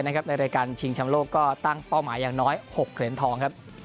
ในรายการชิงชำโลกก็ตั้งเป้าหมายอย่างน้อย๖เหรียญทองครับ